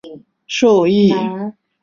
陈晓林说明此举乃经古龙生前授意。